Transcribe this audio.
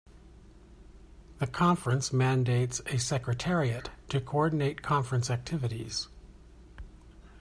The Conference mandates a Secretariat to Coordinate Conference activities.